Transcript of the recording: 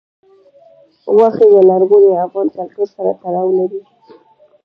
غوښې د لرغوني افغان کلتور سره تړاو لري.